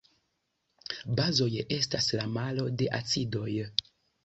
Bazoj estas la malo de acidoj.